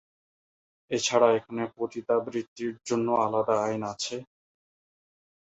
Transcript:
এছাড়া এখানে পতিতাবৃত্তির জন্য আলাদা আইন আছে।